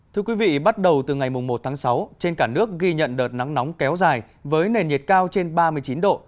thưa quý vị bắt đầu từ ngày một tháng sáu trên cả nước ghi nhận đợt nắng nóng kéo dài với nền nhiệt cao trên ba mươi chín độ